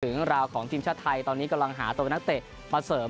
เรื่องราวของทีมชาติไทยตอนนี้กำลังหาตัวนักเตะมาเสริม